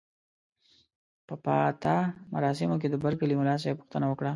په پاتا مراسمو کې د برکلي ملاصاحب پوښتنه وکړه.